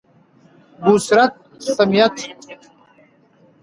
بوسورت سمیت :